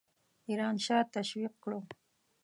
ایران شاه تشویق کړو.